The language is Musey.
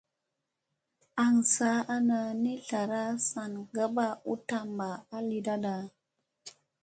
An saa ana ni zlara sana ngaɓat u tamba a lidada.